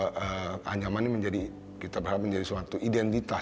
karena anyaman ini menjadi kita berharap menjadi suatu identitas